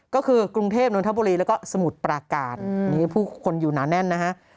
ก็คือกรุงเทพนนทบุรีแล้วก็สมุทรปราการนี่ผู้คนอยู่หนาแน่นนะฮะ